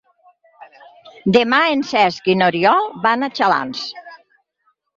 Demà en Cesc i n'Oriol van a Xalans.